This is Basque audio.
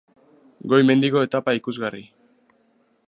Goi mendiko etapa ikusgarri,.